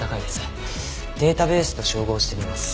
データベースと照合してみます。